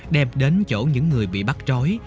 đem đến chỗ những người bị bắt trối